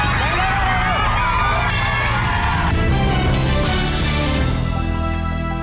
สวัสดีครับ